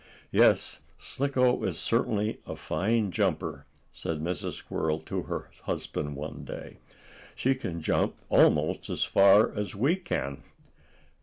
"Yes, Slicko is certainly a fine jumper," said Mrs. Squirrel, to her husband one day. "She can jump almost as far as we can."